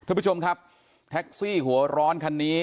คุณผู้ชมครับแท็กซี่หัวร้อนคันนี้